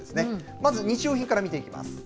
まず日用品から見ていきます。